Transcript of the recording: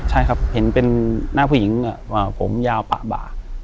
ใช่ครับเห็นเป็นหน้าผู้หญิงผมยาวปะบ่า